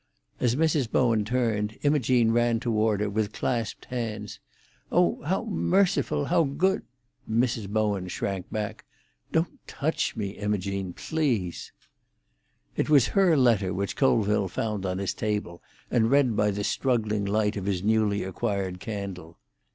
As Mrs. Bowen turned, Imogene ran toward her with clasped hands. "Oh, how merciful—how good——" Mrs. Bowen shrank back. "Don't touch me, Imogene, please!" It was her letter which Colville found on his table and read by the struggling light of his newly acquired candle.